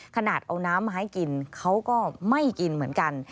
ขนาดเอาน้ำมาให้กินเขาก็ไม่กินเหมือนกัน